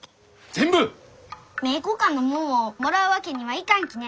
名教館のもんをもらうわけにはいかんきね。